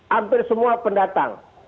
hampir semua pendatang